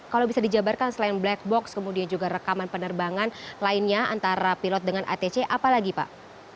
kalau bisa dijabarkan selain black box kemudian juga rekaman penerbangan lainnya antara pilot dengan atc apa lagi pak